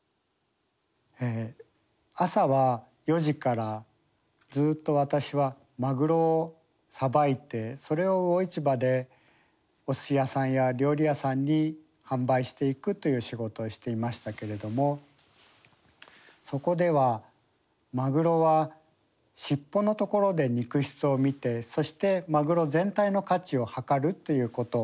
朝は４時からずっと私はマグロをさばいてそれを魚市場でおすし屋さんや料理屋さんに販売していくという仕事をしていましたけれどもそこではマグロは尻尾のところで肉質を見てそしてマグロ全体の価値をはかるということ